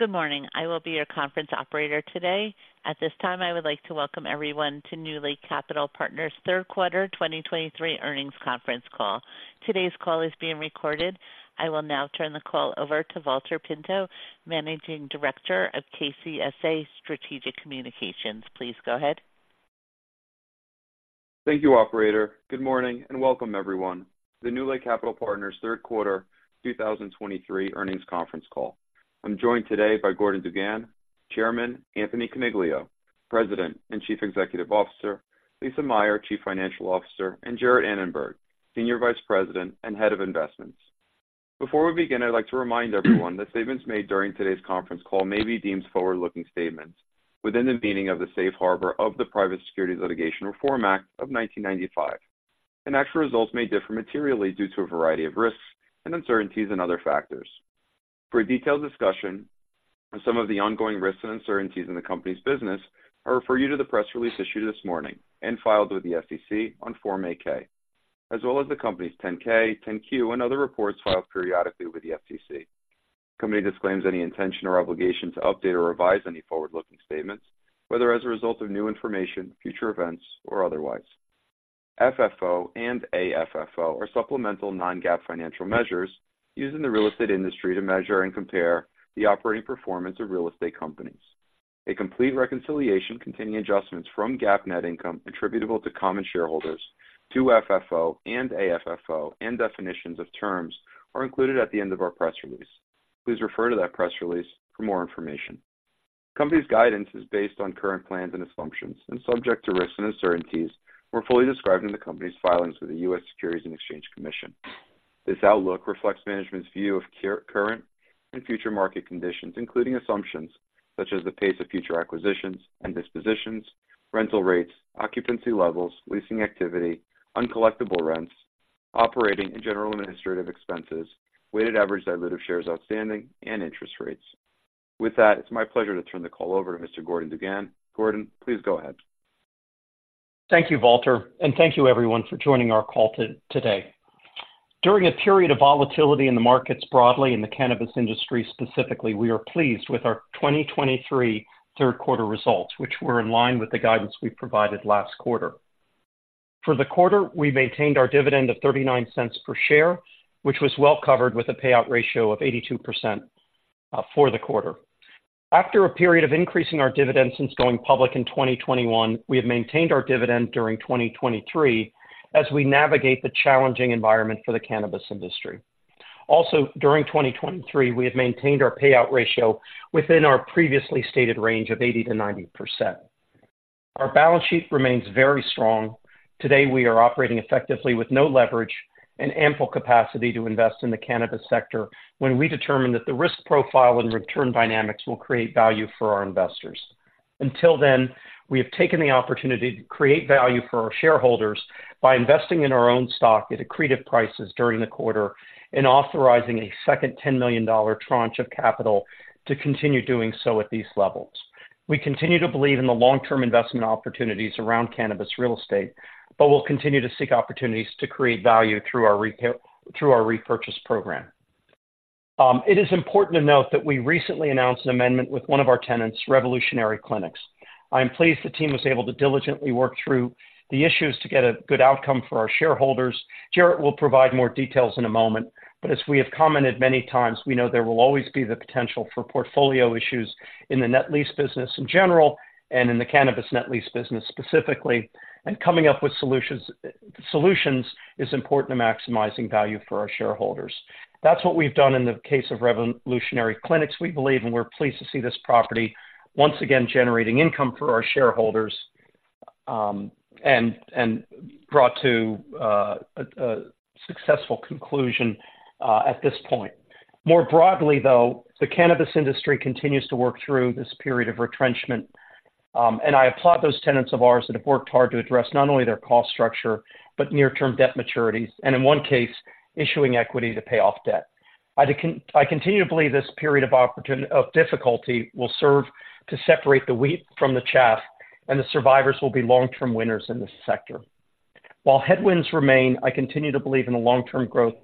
Good morning. I will be your conference operator today. At this time, I would like to welcome everyone to NewLake Capital Partners third quarter 2023 earnings conference call. Today's call is being recorded. I will now turn the call over to Valter Pinto, Managing Director of KCSA Strategic Communications. Please go ahead. Thank you, operator. Good morning, and welcome everyone to the NewLake Capital Partners third quarter 2023 earnings conference call. I'm joined today by Gordon DuGan, Chairman, Anthony Coniglio, President and Chief Executive Officer, Lisa Meyer, Chief Financial Officer, and Jarrett Annenberg, Senior Vice President and Head of Investments. Before we begin, I'd like to remind everyone that statements made during today's conference call may be deemed forward-looking statements within the meaning of the Safe Harbor of the Private Securities Litigation Reform Act of 1995, and actual results may differ materially due to a variety of risks and uncertainties and other factors. For a detailed discussion on some of the ongoing risks and uncertainties in the company's business, I refer you to the press release issued this morning and filed with the SEC on Form 8-K, as well as the company's 10-K, 10-Q, and other reports filed periodically with the SEC. The company disclaims any intention or obligation to update or revise any forward-looking statements, whether as a result of new information, future events, or otherwise. FFO and AFFO are supplemental non-GAAP financial measures used in the real estate industry to measure and compare the operating performance of real estate companies. A complete reconciliation containing adjustments from GAAP net income attributable to common shareholders to FFO and AFFO, and definitions of terms are included at the end of our press release. Please refer to that press release for more information. Company's guidance is based on current plans and assumptions, and subject to risks and uncertainties, more fully described in the company's filings with the U.S. Securities and Exchange Commission. This outlook reflects management's view of current and future market conditions, including assumptions such as the pace of future acquisitions and dispositions, rental rates, occupancy levels, leasing activity, uncollectible rents, operating and general administrative expenses, weighted average diluted shares outstanding, and interest rates. With that, it's my pleasure to turn the call over to Mr. Gordon DuGan. Gordon, please go ahead. Thank you, Valter, and thank you everyone for joining our call today. During a period of volatility in the markets broadly, in the cannabis industry specifically, we are pleased with our 2023 third quarter results, which were in line with the guidance we provided last quarter. For the quarter, we maintained our dividend of $0.39 per share, which was well covered with a payout ratio of 82%, for the quarter. After a period of increasing our dividend since going public in 2021, we have maintained our dividend during 2023 as we navigate the challenging environment for the cannabis industry. Also, during 2023, we have maintained our payout ratio within our previously stated range of 80%-90%. Our balance sheet remains very strong. Today, we are operating effectively with no leverage and ample capacity to invest in the cannabis sector when we determine that the risk profile and return dynamics will create value for our investors. Until then, we have taken the opportunity to create value for our shareholders by investing in our own stock at accretive prices during the quarter and authorizing a second $10 million tranche of capital to continue doing so at these levels. We continue to believe in the long-term investment opportunities around cannabis real estate, but we'll continue to seek opportunities to create value through our repurchase program. It is important to note that we recently announced an amendment with one of our tenants, Revolutionary Clinics. I am pleased the team was able to diligently work through the issues to get a good outcome for our shareholders. Jarrett will provide more details in a moment, but as we have commented many times, we know there will always be the potential for portfolio issues in the net lease business in general, and in the cannabis net lease business specifically, and coming up with solutions is important to maximizing value for our shareholders. That's what we've done in the case of Revolutionary Clinics. We believe and we're pleased to see this property once again generating income for our shareholders, and brought to a successful conclusion at this point. More broadly, though, the cannabis industry continues to work through this period of retrenchment, and I applaud those tenants of ours that have worked hard to address not only their cost structure, but near-term debt maturities, and in one case, issuing equity to pay off debt. I continue to believe this period of opportunity, of difficulty will serve to separate the wheat from the chaff, and the survivors will be long-term winners in this sector. While headwinds remain, I continue to believe in the long-term growth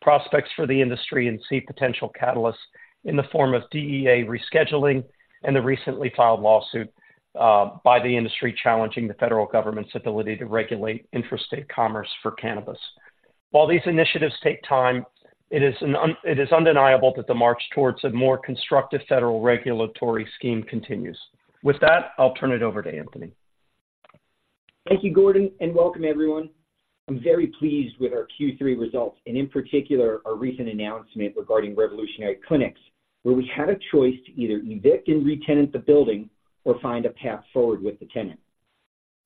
prospects for the industry and see potential catalysts in the form of DEA rescheduling and the recently filed lawsuit by the industry, challenging the federal government's ability to regulate interstate commerce for cannabis. While these initiatives take time, it is undeniable that the march towards a more constructive federal regulatory scheme continues. With that, I'll turn it over to Anthony. Thank you, Gordon, and welcome everyone. I'm very pleased with our Q3 results and in particular, our recent announcement regarding Revolutionary Clinics, where we had a choice to either evict and retenant the building or find a path forward with the tenant.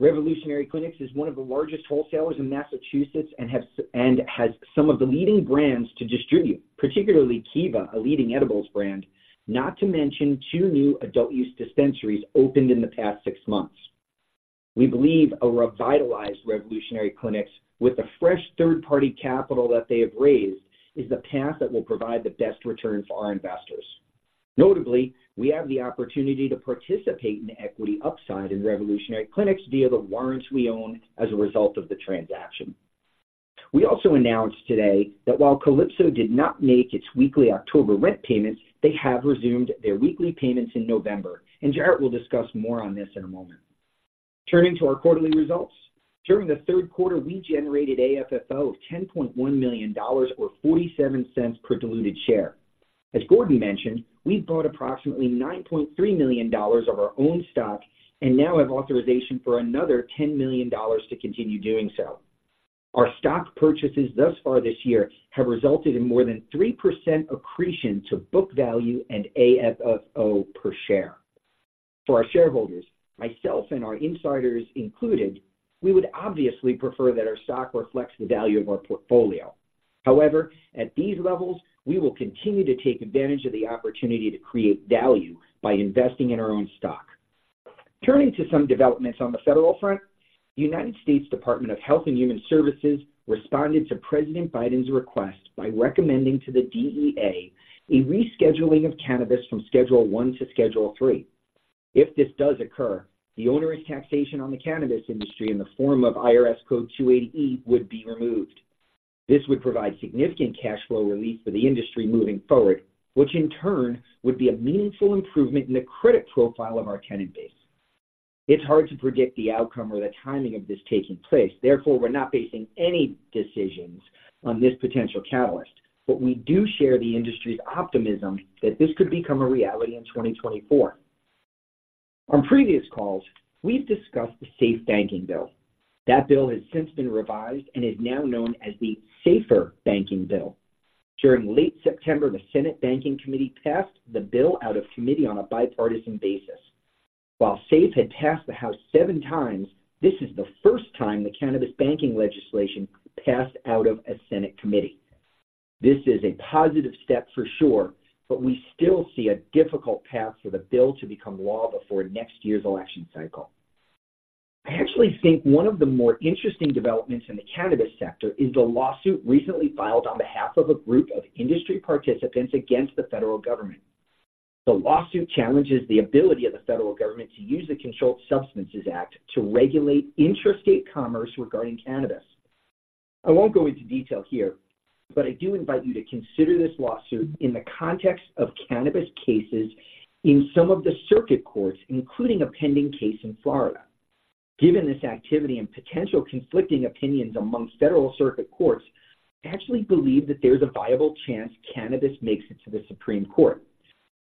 Revolutionary Clinics is one of the largest wholesalers in Massachusetts and has and has some of the leading brands to distribute, particularly Kiva, a leading edibles brand, not to mention two new adult-use dispensaries opened in the past six months. We believe a revitalized Revolutionary Clinics, with the fresh third-party capital that they have raised, is the path that will provide the best return for our investors. Notably, we have the opportunity to participate in equity upside in Revolutionary Clinics via the warrants we own as a result of the transaction.... We also announced today that while Calypso did not make its weekly October rent payments, they have resumed their weekly payments in November, and Jarrett will discuss more on this in a moment. Turning to our quarterly results. During the third quarter, we generated AFFO of $10.1 million or $0.47 per diluted share. As Gordon mentioned, we bought approximately $9.3 million of our own stock and now have authorization for another $10 million to continue doing so. Our stock purchases thus far this year have resulted in more than 3% accretion to book value and AFFO per share. For our shareholders, myself and our insiders included, we would obviously prefer that our stock reflects the value of our portfolio. However, at these levels, we will continue to take advantage of the opportunity to create value by investing in our own stock. Turning to some developments on the federal front, the United States Department of Health and Human Services responded to President Biden's request by recommending to the DEA a rescheduling of cannabis from Schedule I to Schedule III. If this does occur, the onerous taxation on the cannabis industry in the form of IRS Code 280E would be removed. This would provide significant cash flow relief for the industry moving forward, which in turn would be a meaningful improvement in the credit profile of our tenant base. It's hard to predict the outcome or the timing of this taking place, therefore, we're not basing any decisions on this potential catalyst. But we do share the industry's optimism that this could become a reality in 2024. On previous calls, we've discussed the SAFE Banking Bill. That bill has since been revised and is now known as the SAFER Banking Bill. During late September, the Senate Banking Committee passed the bill out of committee on a bipartisan basis. While SAFE had passed the House seven times, this is the first time the cannabis banking legislation passed out of a Senate committee. This is a positive step for sure, but we still see a difficult path for the bill to become law before next year's election cycle. I actually think one of the more interesting developments in the cannabis sector is the lawsuit recently filed on behalf of a group of industry participants against the federal government. The lawsuit challenges the ability of the Federal government to use the Controlled Substances Act to regulate interstate commerce regarding cannabis. I won't go into detail here, but I do invite you to consider this lawsuit in the context of cannabis cases in some of the circuit courts, including a pending case in Florida. Given this activity and potential conflicting opinions amongst federal circuit courts, I actually believe that there's a viable chance cannabis makes it to the Supreme Court.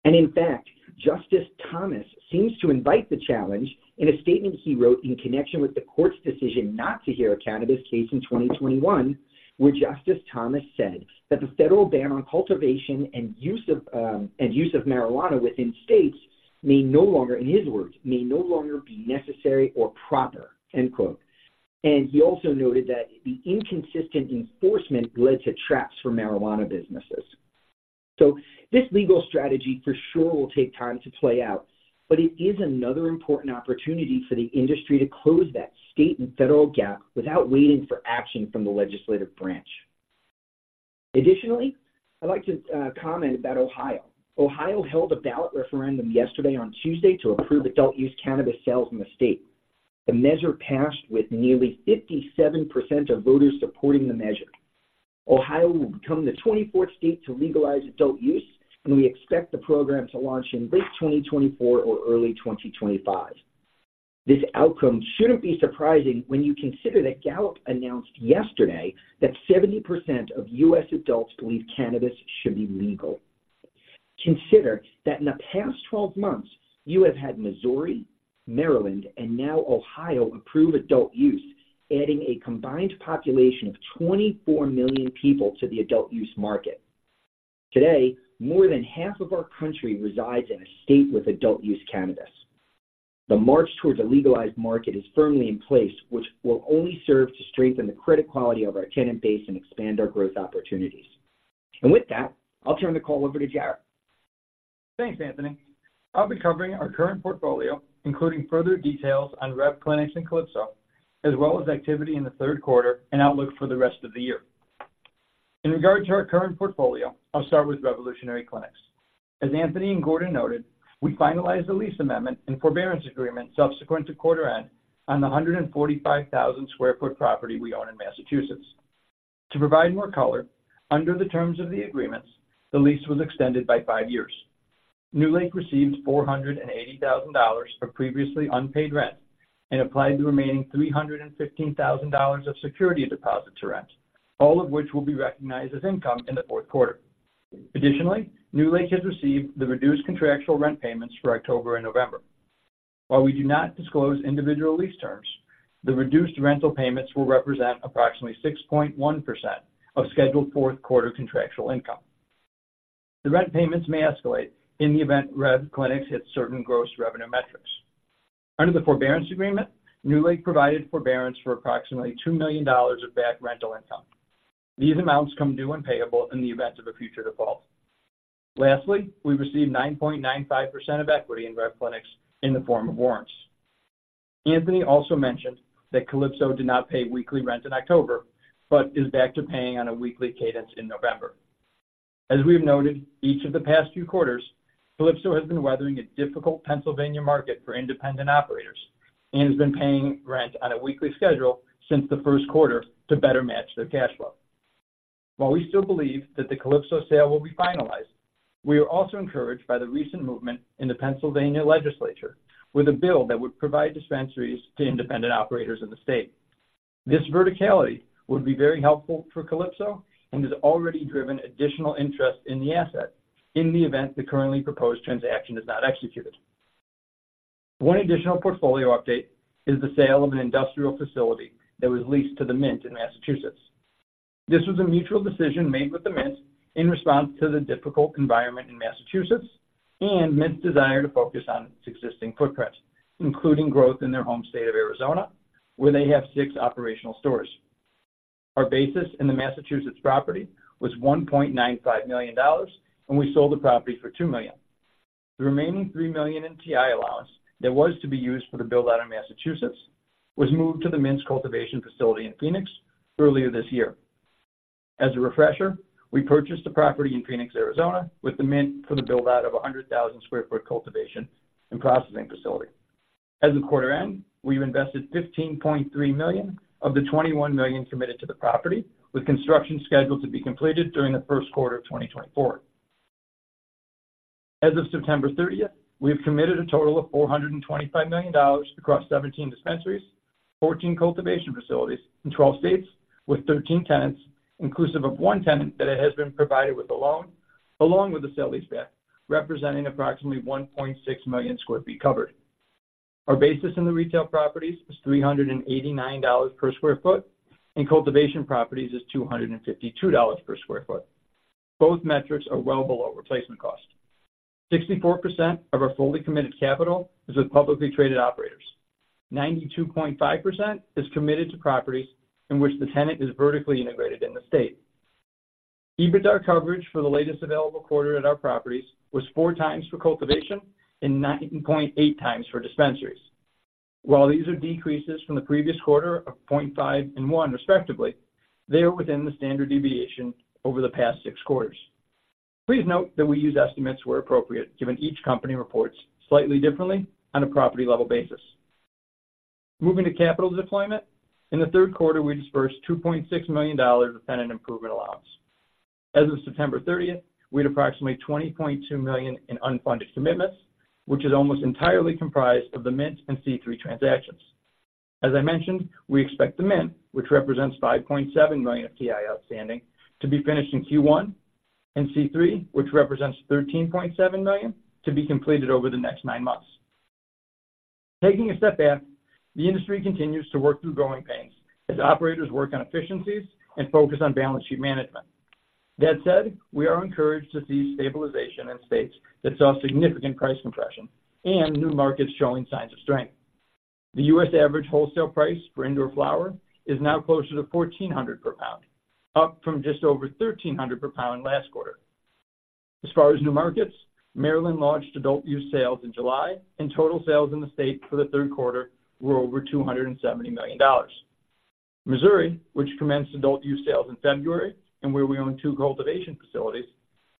And in fact, Justice Thomas seems to invite the challenge in a statement he wrote in connection with the court's decision not to hear a cannabis case in 2021, where Justice Thomas said that the federal ban on cultivation and use of, and use of marijuana within states may no longer, in his words, "May no longer be necessary or proper." End quote. And he also noted that the inconsistent enforcement led to traps for marijuana businesses. So this legal strategy for sure will take time to play out, but it is another important opportunity for the industry to close that state and federal gap without waiting for action from the legislative branch. Additionally, I'd like to comment about Ohio. Ohio held a ballot referendum yesterday on Tuesday to approve adult use cannabis sales in the state. The measure passed with nearly 57% of voters supporting the measure. Ohio will become the 24th state to legalize adult use, and we expect the program to launch in late 2024 or early 2025. This outcome shouldn't be surprising when you consider that Gallup announced yesterday that 70% of U.S. adults believe cannabis should be legal. Consider that in the past 12 months, you have had Missouri, Maryland, and now Ohio approve adult use, adding a combined population of 24 million people to the adult use market. Today, more than half of our country resides in a state with adult use cannabis. The march towards a legalized market is firmly in place, which will only serve to strengthen the credit quality of our tenant base and expand our growth opportunities. With that, I'll turn the call over to Jarrett. Thanks, Anthony. I'll be covering our current portfolio, including further details on Rev Clinics and Calypso, as well as activity in the third quarter and outlook for the rest of the year. In regard to our current portfolio, I'll start with Revolutionary Clinics. As Anthony and Gordon noted, we finalized the lease amendment and forbearance agreement subsequent to quarter end on the 145,000 sq ft property we own in Massachusetts. To provide more color, under the terms of the agreements, the lease was extended by five years. NewLake received $480,000 for previously unpaid rent and applied the remaining $315,000 of security deposits to rent, all of which will be recognized as income in the fourth quarter. Additionally, NewLake has received the reduced contractual rent payments for October and November. While we do not disclose individual lease terms, the reduced rental payments will represent approximately 6.1% of scheduled fourth quarter contractual income. The rent payments may escalate in the event Rev Clinics hit certain gross revenue metrics. Under the forbearance agreement, NewLake provided forbearance for approximately $2 million of back rental income. These amounts come due and payable in the event of a future default. Lastly, we received 9.95% of equity in Rev Clinics in the form of warrants. Anthony also mentioned that Calypso did not pay weekly rent in October, but is back to paying on a weekly cadence in November. As we've noted, each of the past few quarters, Calypso has been weathering a difficult Pennsylvania market for independent operators and has been paying rent on a weekly schedule since the first quarter to better match their cash flow. While we still believe that the Calypso sale will be finalized, we are also encouraged by the recent movement in the Pennsylvania legislature with a bill that would provide dispensaries to independent operators in the state. This verticality would be very helpful for Calypso and has already driven additional interest in the asset in the event the currently proposed transaction is not executed. One additional portfolio update is the sale of an industrial facility that was leased to The Mint in Massachusetts. This was a mutual decision made with The Mint in response to the difficult environment in Massachusetts and Mint's desire to focus on its existing footprint, including growth in their home state of Arizona, where they have six operational stores. Our basis in the Massachusetts property was $1.95 million, and we sold the property for $2 million. The remaining $3 million in TI allowance that was to be used for the build-out in Massachusetts was moved to The Mint's cultivation facility in Phoenix earlier this year. As a refresher, we purchased the property in Phoenix, Arizona, with The Mint for the build-out of a 100,000 sq ft cultivation and processing facility. As of quarter end, we've invested $15.3 million of the $21 million committed to the property, with construction scheduled to be completed during the first quarter of 2024. As of September 30, we have committed a total of $425 million across 17 dispensaries, 14 cultivation facilities in 12 states with 13 tenants, inclusive of 1 tenant that it has been provided with a loan, along with a sale-leaseback, representing approximately 1.6 million sq ft covered. Our basis in the retail properties is $389 per sq ft, and cultivation properties is $252 per sq ft. Both metrics are well below replacement cost. 64% of our fully committed capital is with publicly traded operators. 92.5% is committed to properties in which the tenant is vertically integrated in the state. EBITDA coverage for the latest available quarter at our properties was 4 times for cultivation and 9.8 times for dispensaries. While these are decreases from the previous quarter of 0.5 and 1, respectively, they are within the standard deviation over the past 6 quarters. Please note that we use estimates where appropriate, given each company reports slightly differently on a property-level basis. Moving to capital deployment. In the third quarter, we disbursed $2.6 million of tenant improvement allowance. As of September 30th, we had approximately $20.2 million in unfunded commitments, which is almost entirely comprised of The Mint and C3 transactions. As I mentioned, we expect The Mint, which represents $5.7 million of TI outstanding, to be finished in Q1, and C3, which represents $13.7 million, to be completed over the next nine months. Taking a step back, the industry continues to work through growing pains as operators work on efficiencies and focus on balance sheet management. That said, we are encouraged to see stabilization in states that saw significant price compression and new markets showing signs of strength. The U.S. average wholesale price for indoor flower is now closer to 1,400 per pound, up from just over 1,300 per pound last quarter. As far as new markets, Maryland launched adult use sales in July, and total sales in the state for the third quarter were over $270 million. Missouri, which commenced adult use sales in February and where we own two cultivation facilities,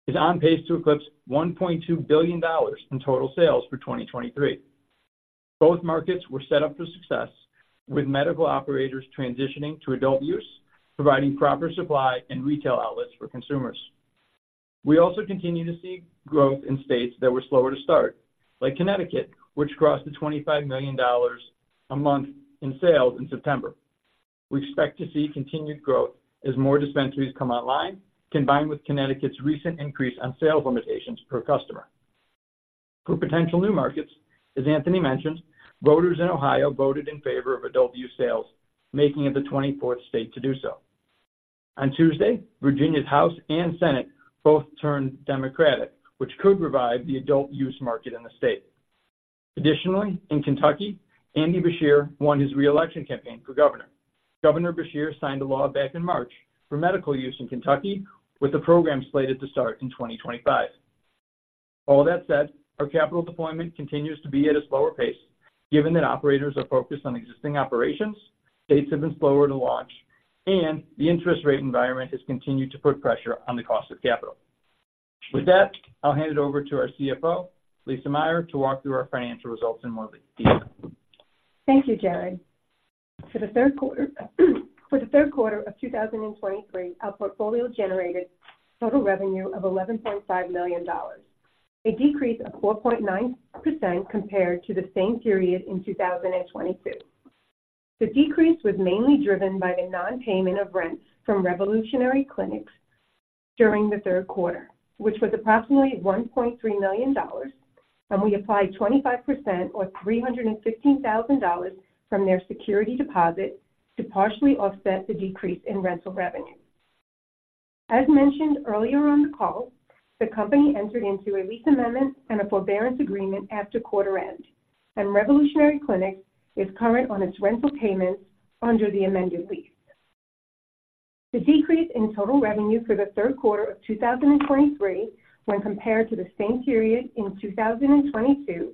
is on pace to eclipse $1.2 billion in total sales for 2023. Both markets were set up for success, with medical operators transitioning to adult use, providing proper supply and retail outlets for consumers. We also continue to see growth in states that were slower to start, like Connecticut, which crossed the $25 million a month in sales in September. We expect to see continued growth as more dispensaries come online, combined with Connecticut's recent increase on sales limitations per customer. For potential new markets, as Anthony mentioned, voters in Ohio voted in favor of adult-use sales, making it the 24th state to do so. On Tuesday, Virginia's House and Senate both turned Democratic, which could revive the adult-use market in the state. Additionally, in Kentucky, Andy Beshear won his reelection campaign for governor. Governor Beshear signed a law back in March for medical use in Kentucky, with the program slated to start in 2025. All that said, our capital deployment continues to be at a slower pace, given that operators are focused on existing operations, states have been slower to launch, and the interest rate environment has continued to put pressure on the cost of capital. With that, I'll hand it over to our CFO, Lisa Meyer, to walk through our financial results in more detail. Thank you, Jarrett. For the third quarter, for the third quarter of 2023, our portfolio generated total revenue of $11.5 million, a decrease of 4.9% compared to the same period in 2022. The decrease was mainly driven by the non-payment of rents from Revolutionary Clinics during the third quarter, which was approximately $1.3 million, and we applied 25% or $315,000 from their security deposit to partially offset the decrease in rental revenue. As mentioned earlier on the call, the company entered into a lease amendment and a forbearance agreement after quarter end, and Revolutionary Clinics is current on its rental payments under the amended lease. The decrease in total revenue for the third quarter of 2023 when compared to the same period in 2022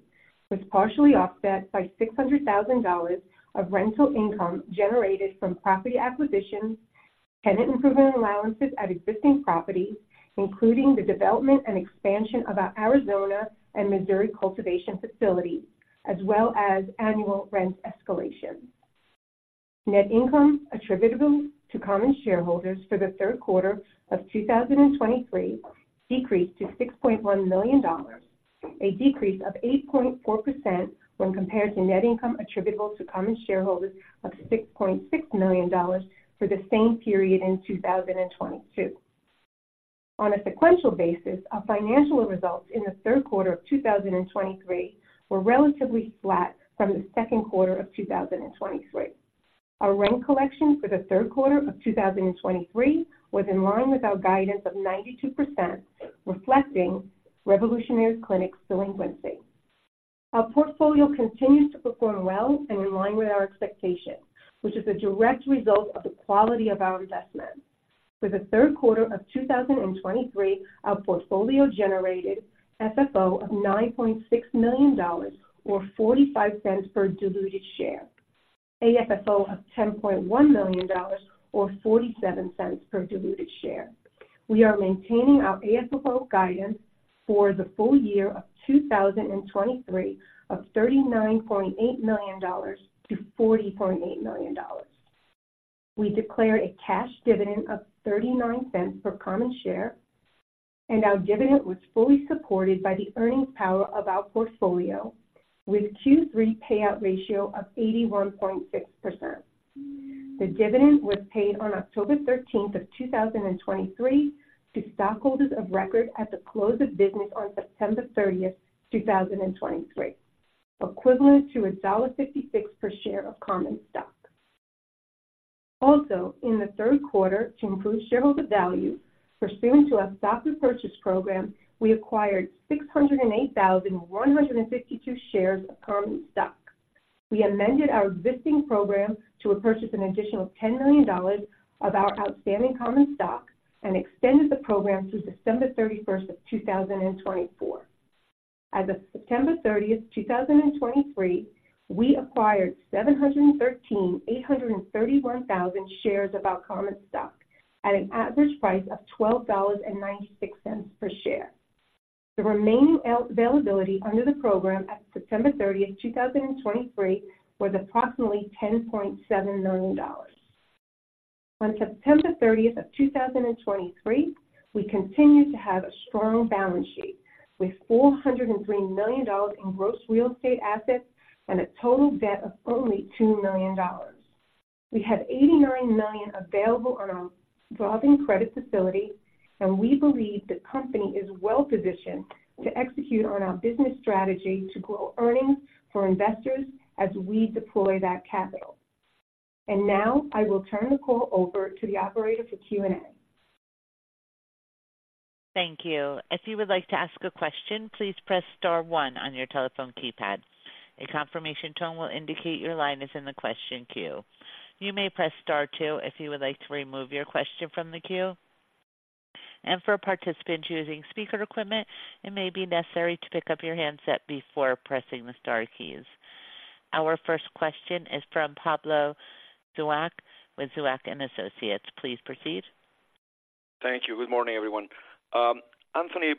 was partially offset by $600,000 of rental income generated from property acquisitions, tenant improvement allowances at existing properties, including the development and expansion of our Arizona and Missouri cultivation facilities, as well as annual rent escalation. Net income attributable to common shareholders for the third quarter of 2023 decreased to $6.1 million, a decrease of 8.4% when compared to net income attributable to common shareholders of $6.6 million for the same period in 2022. On a sequential basis, our financial results in the third quarter of 2023 were relatively flat from the second quarter of 2023. Our rent collection for the third quarter of 2023 was in line with our guidance of 92%, reflecting Revolutionary Clinics delinquency. Our portfolio continues to perform well and in line with our expectations, which is a direct result of the quality of our investments. For the third quarter of 2023, our portfolio generated FFO of $9.6 million or $0.45 per diluted share. AFFO of $10.1 million or $0.47 per diluted share. We are maintaining our AFFO guidance for the full year of 2023 of $39.8 million-$40.8 million. We declared a cash dividend of $0.39 per common share, and our dividend was fully supported by the earnings power of our portfolio, with Q3 payout ratio of 81.6%. The dividend was paid on October 13, 2023 to stockholders of record at the close of business on September 30, 2023, equivalent to $1.56 per share of common stock. Also, in the third quarter, to improve shareholder value, pursuant to our stock repurchase program, we acquired 608,152 shares of common stock. We amended our existing program to repurchase an additional $10 million of our outstanding common stock and extended the program through December 31, 2024. As of September 30, 2023, we acquired 713,831 shares of our common stock at an average price of $12.96 per share. The remaining availability under the program at September thirtieth, 2023, was approximately $10.7 million. On September 30th, 2023, we continued to have a strong balance sheet with $403 million in gross real estate assets and a total debt of only $2 million. We have $89 million available on our revolving credit facility, and we believe the company is well positioned to execute on our business strategy to grow earnings for investors as we deploy that capital. Now I will turn the call over to the operator for Q&A. Thank you. If you would like to ask a question, please press star one on your telephone keypad. A confirmation tone will indicate your line is in the question queue. You may press star two if you would like to remove your question from the queue. For participants using speaker equipment, it may be necessary to pick up your handset before pressing the star keys. Our first question is from Pablo Zuanic with Zuanic & Associates. Please proceed. Thank you. Good morning, everyone. Anthony,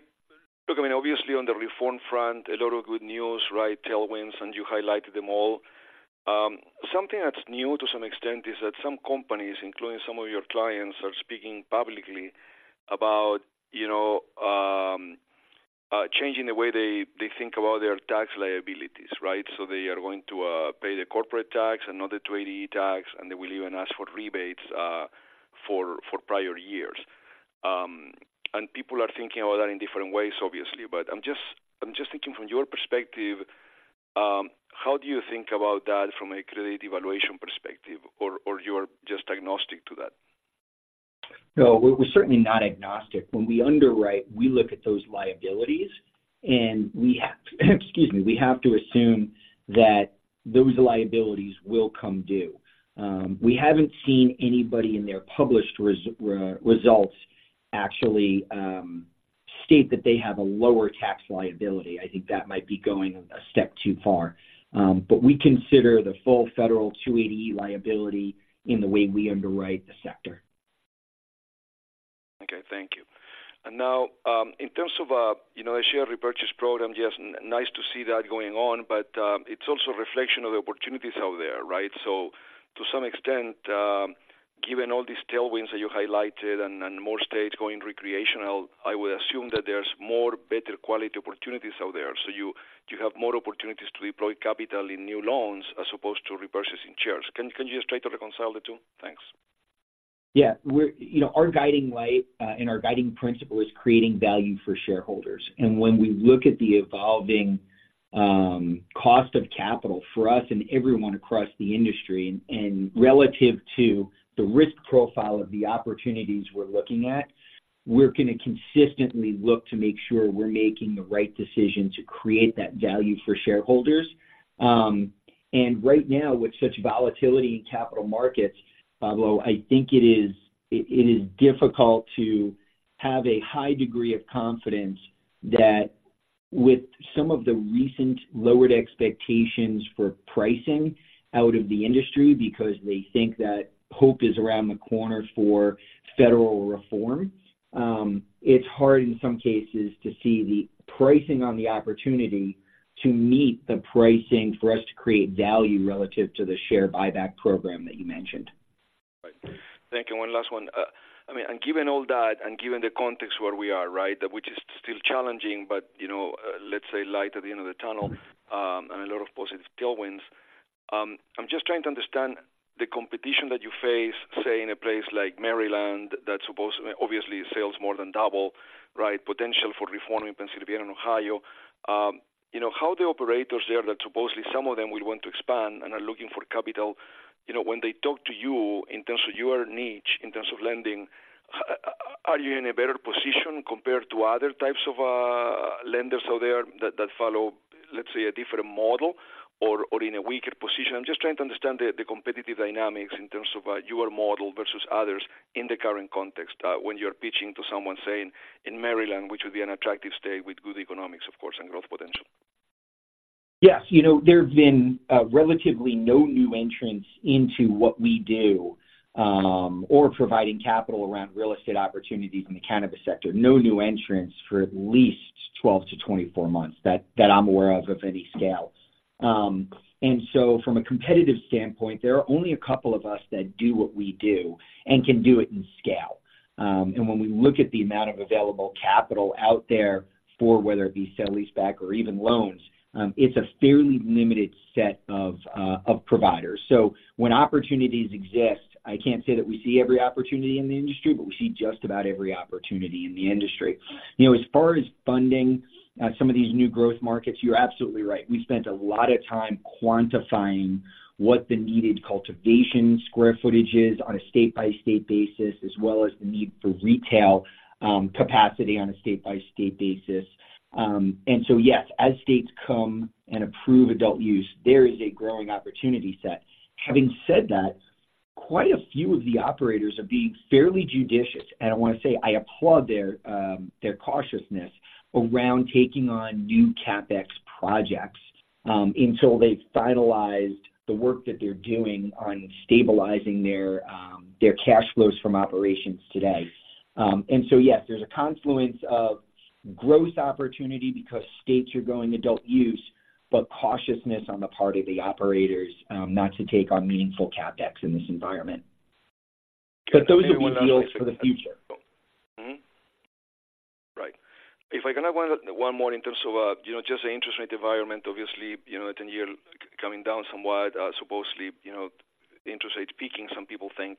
look, I mean, obviously on the reform front, a lot of good news, right, tailwinds, and you highlighted them all. Something that's new to some extent is that some companies, including some of your clients, are speaking publicly about, you know, changing the way they think about their tax liabilities, right? So they are going to pay the corporate tax and not the trade tax, and they will even ask for rebates for prior years. And people are thinking about that in different ways, obviously. But I'm just thinking from your perspective, how do you think about that from a credit evaluation perspective, or you're just agnostic to that? No, we're certainly not agnostic. When we underwrite, we look at those liabilities, and, excuse me, we have to assume that those liabilities will come due. We haven't seen anybody in their published results actually state that they have a lower tax liability. I think that might be going a step too far. But we consider the full federal 280E liability in the way we underwrite the sector. Okay, thank you. And now, in terms of, you know, the share repurchase program, just nice to see that going on, but, it's also a reflection of the opportunities out there, right? So to some extent, given all these tailwinds that you highlighted and, and more states going recreational, I would assume that there's more better quality opportunities out there. So you, you have more opportunities to deploy capital in new loans as opposed to repurchasing shares. Can, can you just try to reconcile the two? Thanks. Yeah. We're, you know, our guiding light and our guiding principle is creating value for shareholders. And when we look at the evolving cost of capital for us and everyone across the industry and relative to the risk profile of the opportunities we're looking at, we're gonna consistently look to make sure we're making the right decision to create that value for shareholders. And right now, with such volatility in capital markets, Pablo, I think it is difficult to have a high degree of confidence that with some of the recent lowered expectations for pricing out of the industry, because they think that hope is around the corner for federal reform, it's hard in some cases to see the pricing on the opportunity to meet the pricing for us to create value relative to the share buyback program that you mentioned. Right. Thank you. One last one. I mean, and given all that, and given the context where we are, right, which is still challenging, but, you know, let's say light at the end of the tunnel, and a lot of positive tailwinds. I'm just trying to understand the competition that you face, say, in a place like Maryland, that supposedly, obviously, sales more than double, right? Potential for reform in Pennsylvania and Ohio. You know, how the operators there, that supposedly some of them would want to expand and are looking for capital, you know, when they talk to you in terms of your niche, in terms of lending, are you in a better position compared to other types of, lenders out there that, that follow, let's say, a different model or, or in a weaker position? I'm just trying to understand the competitive dynamics in terms of your model versus others in the current context, when you're pitching to someone, say, in Maryland, which would be an attractive state with good economics, of course, and growth potential. Yes. You know, there have been relatively no new entrants into what we do or providing capital around real estate opportunities in the cannabis sector. No new entrants for at least 12-24 months that I'm aware of of any scale. And so from a competitive standpoint, there are only a couple of us that do what we do and can do it in scale. And when we look at the amount of available capital out there for whether it be sale-leaseback or even loans, it's a fairly limited set of providers. So when opportunities exist, I can't say that we see every opportunity in the industry, but we see just about every opportunity in the industry. You know, as far as funding some of these new growth markets, you're absolutely right. We spent a lot of time quantifying what the needed cultivation square footage is on a state-by-state basis, as well as the need for retail capacity on a state-by-state basis. And so, yes, as states come and approve adult use, there is a growing opportunity set. Having said that, quite a few of the operators are being fairly judicious, and I want to say I applaud their their cautiousness around taking on new CapEx projects until they've finalized the work that they're doing on stabilizing their their cash flows from operations today. And so, yes, there's a confluence of growth opportunity because states are going adult use, but cautiousness on the part of the operators not to take on meaningful CapEx in this environment. But those would be deals for the future. Mm-hmm. Right. If I can add one more in terms of, you know, just the interest rate environment, obviously, you know, the ten-year coming down somewhat, supposedly, you know, interest rates peaking, some people think.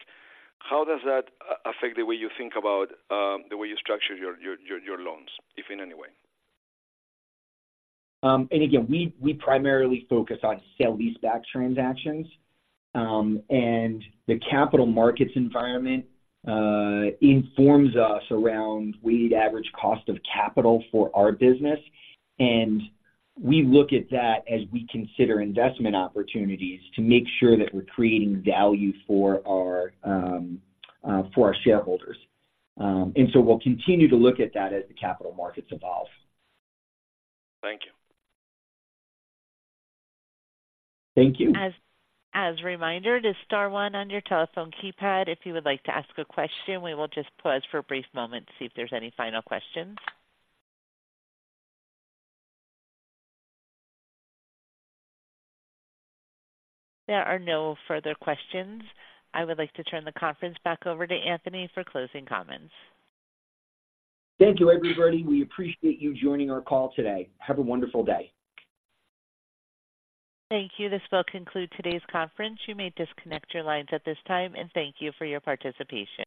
How does that affect the way you think about the way you structure your loans, if in any way? And again, we primarily focus on sale-leaseback transactions. And the capital markets environment informs us around weighted average cost of capital for our business, and we look at that as we consider investment opportunities to make sure that we're creating value for our shareholders. And so we'll continue to look at that as the capital markets evolve. Thank you. Thank you. As a reminder, to star one on your telephone keypad, if you would like to ask a question. We will just pause for a brief moment to see if there's any final questions. There are no further questions. I would like to turn the conference back over to Anthony for closing comments. Thank you, everybody. We appreciate you joining our call today. Have a wonderful day. Thank you. This will conclude today's conference. You may disconnect your lines at this time, and thank you for your participation.